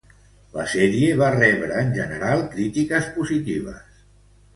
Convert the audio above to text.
La sèrie va rebre en general crítiques positives.